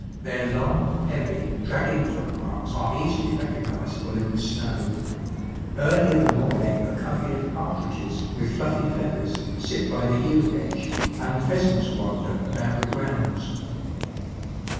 Their long, heavy, dragging footmarks are easily recognisable in the snow. Early of a morning a covey of partridges, with fluffy feathers, sit by the yew hedge, imd pheasants wimder about the grounds.